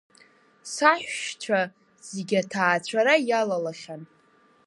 Саҳәшьцәа зегьы аҭаацәара иалалахьан.